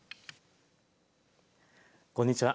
こんにちは。